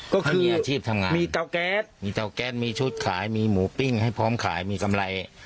ก็คือมีอาชีพทำงานมีเตาแก๊สมีเตาแก๊สมีชุดขายมีหมูปิ้งให้พร้อมขายมีกำไร